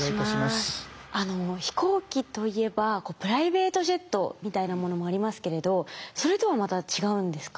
飛行機といえばプライベートジェットみたいなものもありますけれどそれとはまた違うんですか？